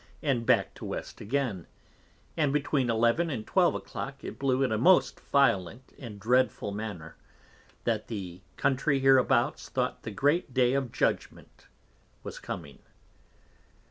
and back to West again, and between 11 and 12 a Clock it blew in a most violent and dreadful manner, that the Country hereabouts thought the great day of Judgment was coming.